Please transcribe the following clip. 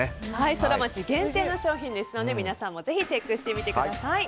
ソラマチ限定の商品ですので皆さんもぜひチェックしてみてください。